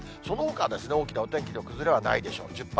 そのほかは大きなお天気の崩れはないでしょう。